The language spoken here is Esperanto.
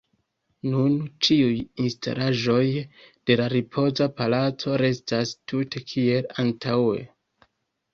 Nun ĉiuj instalaĵoj de la Ripoza Palaco restas tute kiel antaŭe.